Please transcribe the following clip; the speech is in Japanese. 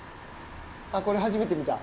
これ初めて見た？